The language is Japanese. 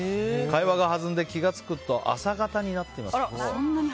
会話が弾んで気が付くと朝方になっています。